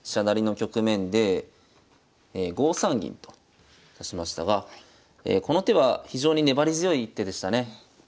成の局面で５三銀と指しましたがこの手は非常に粘り強い一手でしたね。